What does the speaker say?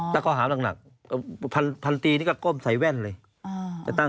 อ๋อตั้งเขาหามนักหนักเออพันพันตรีนี่ก็ก้มใส่แว่นเลยอ่า